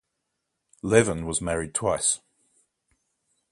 Levan was married twice.